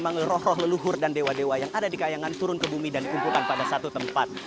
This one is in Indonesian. memang roh roh leluhur dan dewa dewa yang ada di kayangan turun ke bumi dan dikumpulkan pada satu tempat